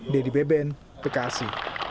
dedy beben bekasi